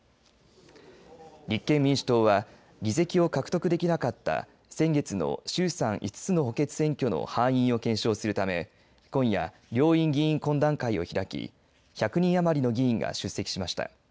立憲民主党は議席を獲得できなかった先月の衆参５つの補欠選挙の敗因を検証するため今夜、両院議員懇談会を開き１００人余りの議員が出席しました。